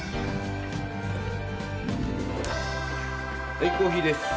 はいコーヒーです。